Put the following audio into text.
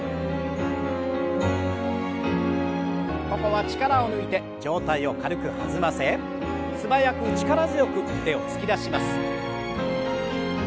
ここは力を抜いて上体を軽く弾ませ素早く力強く腕を突き出します。